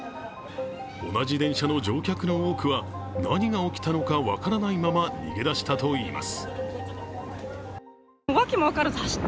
同じ電車の乗客の多くは何が起きたのか分からないまま逃げ出したといいます。